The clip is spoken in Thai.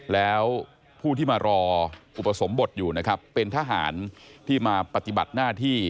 แล้วผู้ที่มารออุปสมบทอยู่นะครับเป็นทหารที่มาปฏิบัติหน้าที่